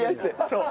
そう。